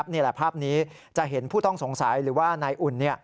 นี่แหละภาพนี้จะเห็นผู้ต้องสงสัยหรือว่านายอุ่น